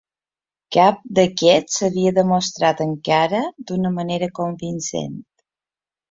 Cap d'aquests s'havia demostrat encara d'una manera convincent.